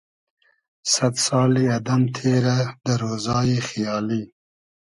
سئد سالی ادئم تېرۂ دۂ رۉزای خیالی